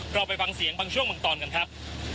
เราไปฟังเสียงบางช่วงบางตอนกันครับ